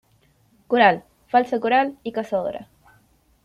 Coral, falsa coral y cazadora.